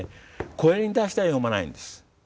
声に出しては読まないんです。